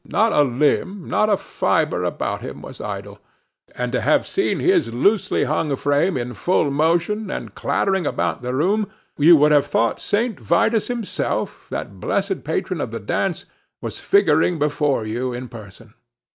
Not a limb, not a fibre about him was idle; and to have seen his loosely hung frame in full motion, and clattering about the room, you would have thought St. Vitus himself, that blessed patron of the dance, was figuring before you in person.